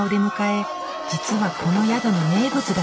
実はこの宿の名物だそう。